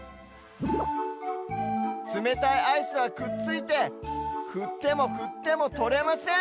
つめたいアイスはくっついてふってもふってもとれません。